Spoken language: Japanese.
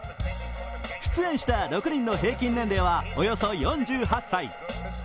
出演した６人の平均年齢はおよそ４８歳。